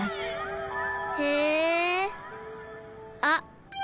あっ。